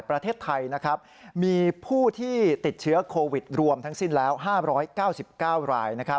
ประเทศไทยมีผู้ที่ติดเชื้อโควิดรวมทั้งสิ้นแล้ว๕๙๙ราย